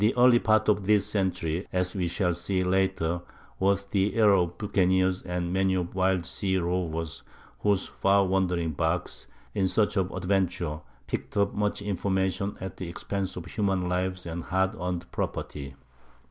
] The early part of this century, as we shall see later, was the era of the buccaneers and of many wild sea rovers whose far wandering barks, in search of adventure, picked up much information at the expense of human lives and hard earned property.